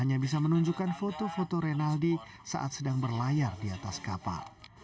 hanya bisa menunjukkan foto foto renaldi saat sedang berlayar di atas kapal